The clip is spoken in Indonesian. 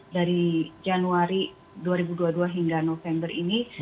dari januari dua ribu dua puluh dua hingga november ini